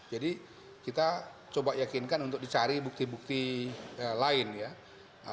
jadi kita coba yakinkan untuk dicari bukti bukti lain ya